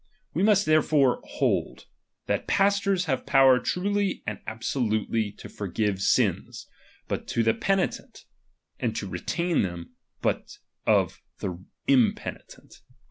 We must there fore hold, that pastors have power truly and abso lutely to forgive sins ; hut to the penitent : ami to retain them ; but of the impenitent.